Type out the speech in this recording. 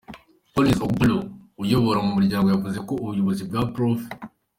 Collins Ogbolu uyobora uyu muryango yavuze ko ubuyobozi bwa Prof.